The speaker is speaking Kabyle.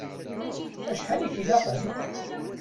Acḥal i k-ilaqen?